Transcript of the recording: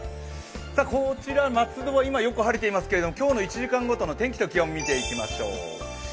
こちら、松戸は今よく晴れていますけど今日の１時間ごとの天気と気温を見ていきましょう。